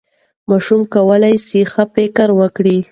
ماشوم کولی سي ښه فکر وکړي.